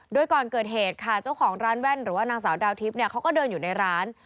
โดยก่อนเกิดเหตุค่ะเจ้าของร้านแว่นหรือว่านางสาวดาวทิพย์เนี่ยเขาก็เดินอยู่ในร้าน